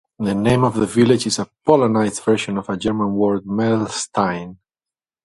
The name of the village is a Polonized version of a German word "Mehlstein".